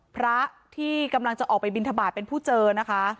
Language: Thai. พระที่กำลังจะออกไปบินทบาทเป็นผู้เจอนะคะ